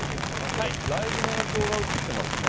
これ、ライブの映像が映ってますね。